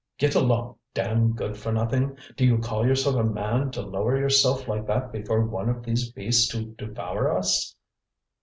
"Get along! damned good for nothing! Do you call yourself a man to lower yourself like that before one of these beasts who devour us?"